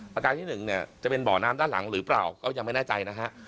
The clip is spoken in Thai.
ประการที่๑เนี่ยจะเป็นบ่อน้ำด้านหลังหรือเปล่าก็ยังไม่แน่ใจนะฮะ